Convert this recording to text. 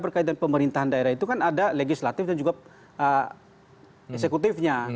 berkaitan pemerintahan daerah itu kan ada legislatif dan juga eksekutifnya